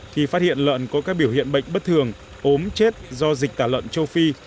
khi phát hiện lợn có các biểu hiện bệnh bất thường ốm chết do dịch tạ lợn châu phi